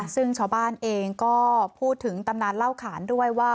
ซึ่งชาวบ้านเองก็พูดถึงตำนานเล่าขานด้วยว่า